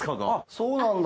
そうなんだ。